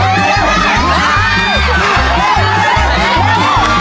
เยี่ยม